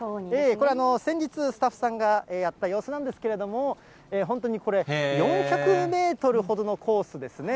これは先日、スタッフさんがやった様子なんですけれども、本当にこれ、４００メートルほどのコースですね。